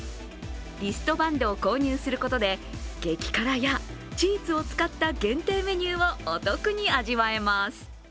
リストバンドを購入することで激辛やチーズを使った限定メニューをお得に味わえます。